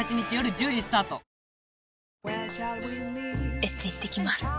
エステ行ってきます。